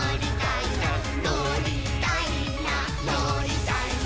「のりたいなのりたいな」